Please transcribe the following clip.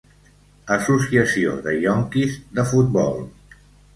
Associació de ionquis de futbol.